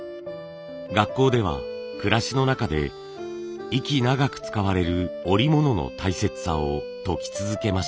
学校では暮らしの中で息長く使われる織物の大切さを説き続けました。